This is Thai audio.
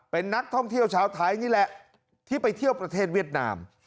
เป็นนักท่องเที่ยวชาวไทยนี่แหละที่ไปเที่ยวประเทศเวียดนาม